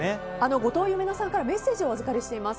後藤夢乃さんからメッセージをお預かりしています。